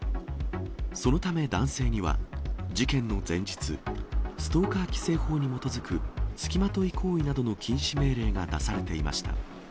そのため男性には、事件の前日、ストーカー規制法に基づく付きまとい行為などの禁止命令が出されていました。